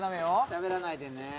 しゃべらないでね